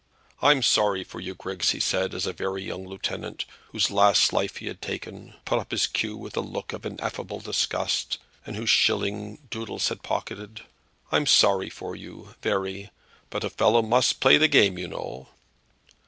"I'm sorry for you, Griggs," he said, as a very young lieutenant, whose last life he had taken, put up his cue with a look of ineffable disgust, and whose shilling Doodles had pocketed; "I'm sorry for you, very; but a fellow must play the game, you know."